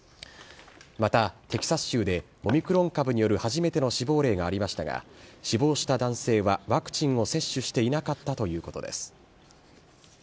また、テキサス州でオミクロン株による初めての死亡例がありましたが、死亡した男性はワクチンを接種していなかったということです。